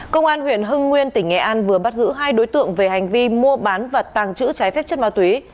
công an huyện hưng nguyên tỉnh nghệ an vừa bắt giữ hai đối tượng về hành vi mua bán và tàng trữ trái phép chất ma túy